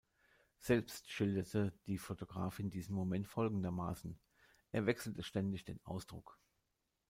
Selbst schilderte die Fotografin diesen Moment folgendermaßen: „Er wechselte ständig den Ausdruck.